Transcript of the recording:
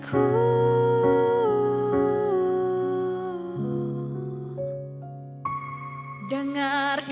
aku tak pernah cintaku